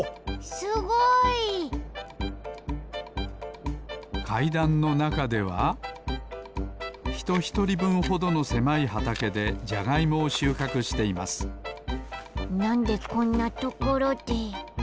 すごい！かいだんのなかではひとひとりぶんほどのせまいはたけでジャガイモをしゅうかくしていますなんでこんなところで？